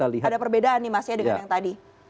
ada perbedaan nih mas ya dengan yang tadi